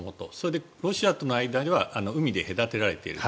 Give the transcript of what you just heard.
ロシアとの間は海で隔てられている。